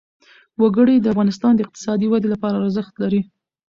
وګړي د افغانستان د اقتصادي ودې لپاره ارزښت لري.